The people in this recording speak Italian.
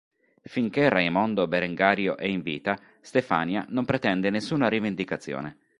Finché Raimondo Berengario è in vita, Stefania non pretende nessuna rivendicazione.